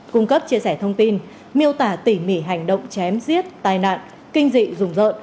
cung cấp chia sẻ thông tin miêu tả tỉ mỉ hành động chém giết tai nạn kinh dị rùng rợn